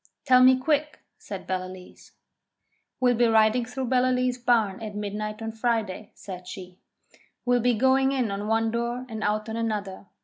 'Tell me quick,' said Ballaleece. 'We'll be riding through Ballaleece barn at midnight on Friday,' said she. 'We'll be going in on one door and out on another.